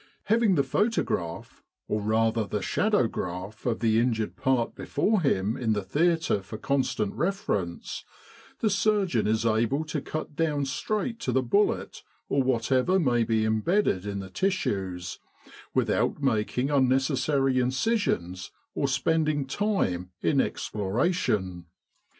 Having the photograph, or rather the shadow graph, of the injured part before him in the theatre for con stant reference, the surgeon is able to cut down straight to the bullet or whatever may be embedded in the tissues, without making unnecessary incisions or spending time in exploration.